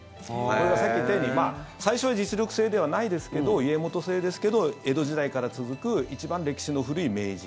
さっき言ったように最初は実力制ではないですけど家元制ですけど江戸時代から続く一番歴史の古い名人。